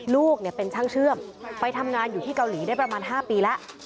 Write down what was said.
ลูกเป็นช่างเชื่อมไปทำงานอยู่ที่เกาหลีได้ประมาณ๕ปีแล้ว